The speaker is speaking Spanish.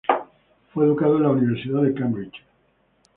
Fue educado en la Universidad de Cambridge.